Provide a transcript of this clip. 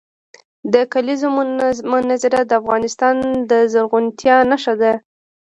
د کلیزو منظره د افغانستان د زرغونتیا نښه ده.